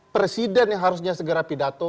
presiden yang harusnya segera pidato